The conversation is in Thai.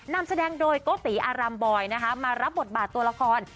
นำแสดงโดยก๊อตตีอารามบอยมารับบทบาทตัวละคร